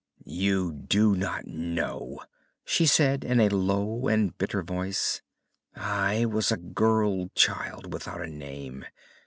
"You do not know," she said, in a low and bitter voice. "I was a girl child, without a name.